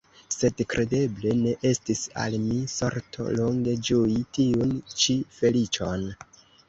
Sed kredeble ne estis al mi sorto longe ĝui tiun ĉi feliĉon.